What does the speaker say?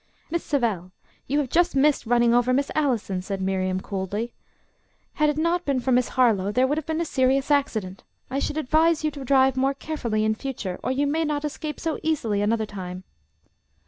"Miss Savell, you have just missed running over Miss Allison," said Miriam coldly. "Had it not been for Miss Harlowe, there would have been a serious accident. I should advise you to drive more carefully in future, or you may not escape so easily another time."